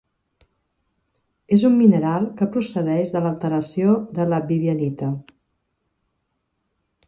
És un mineral que procedeix de l'alteració de la vivianita.